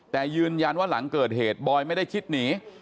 แต่ยืนยันว่าหลังเกิดเหตุบอยไม่ได้คิดหนี